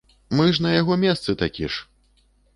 Мы ж на яго месцы такі ж!